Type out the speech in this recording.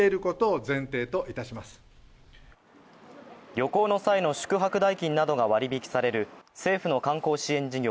旅行の際の宿泊代金などが割り引きされる政府の観光支援事業